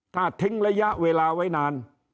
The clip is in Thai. ถ้าทิ้งระยะเวลาไว้นาน